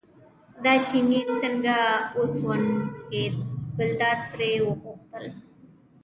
دا چيني څنګه وسونګېد، ګلداد پرې وپوښتل.